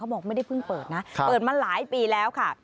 บอกไม่ได้เพิ่งเปิดนะเปิดมาหลายปีแล้วค่ะ